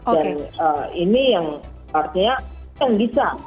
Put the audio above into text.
dan ini yang artinya yang bisa